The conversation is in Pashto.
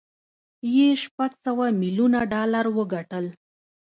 یې شپږ سوه ميليونه ډالر وګټل